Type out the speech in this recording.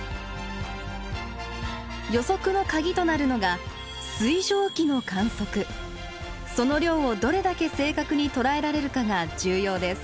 予測の鍵となるのがその量をどれだけ正確に捉えられるかが重要です。